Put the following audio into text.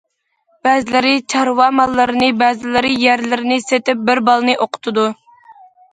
بەزىلىرى چارۋا ماللىرىنى، بەزىلىرى يەرلىرىنى سېتىپ بىر بالىنى ئوقۇتىدۇ.